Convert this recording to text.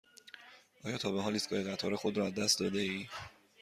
آیا تا به حال ایستگاه قطار خود را از دست داده ای؟